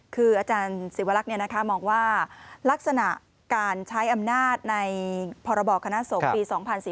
คืออาจารย์ศิวรักษ์มองว่าลักษณะการใช้อำนาจในพรบคณะสงฆ์ปี๒๔๔